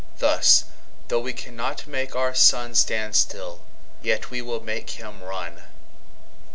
Thus, though we cannot make our SunStand still, yet we will make him run.